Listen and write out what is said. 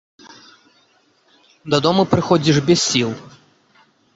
Дадому прыходзіш без сіл.